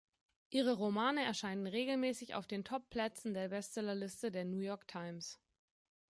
Ihre Romane erscheinen regelmäßig auf den Top-Plätzen der Bestsellerliste der "New York Times".